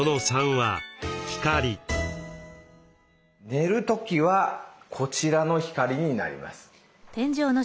寝る時はこちらの光になります。